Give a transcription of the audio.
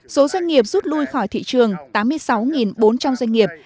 số doanh nghiệp rút lui khỏi thị trường tám mươi sáu bốn trăm linh doanh nghiệp